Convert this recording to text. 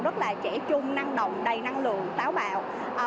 rất là trẻ trung năng động đầy năng lượng táo bạo